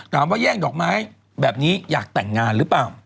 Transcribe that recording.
ว่าแย่งดอกไม้แบบนี้อยากแต่งงานหรือเปล่า